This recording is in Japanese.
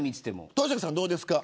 豊崎さんはどうですか。